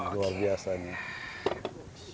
luar biasa nih